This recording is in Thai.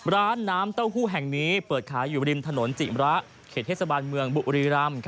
ร้านน้ำเต้าหู้แห่งนี้เปิดขายอยู่ริมถนนจิมระเขตเทศบาลเมืองบุรีรำ